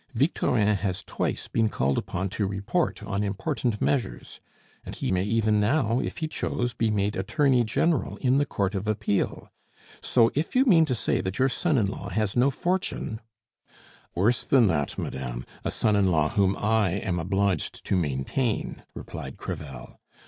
Victorin has twice been called upon to report on important measures; and he might even now, if he chose, be made Attorney General in the Court of Appeal. So, if you mean to say that your son in law has no fortune " "Worse than that, madame, a son in law whom I am obliged to maintain," replied Crevel.